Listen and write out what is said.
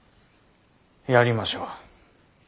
やりましょう。